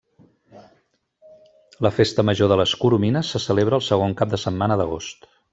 La festa major de les Coromines, se celebra el segon cap de setmana d'agost.